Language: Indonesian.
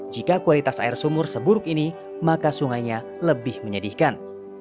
jika kualitas air sumur seburuk ini maka sungainya lebih menyedihkan